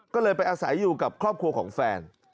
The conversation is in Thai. ก็เลยไปอาศัยอยู่กับครอบครัวของแฟน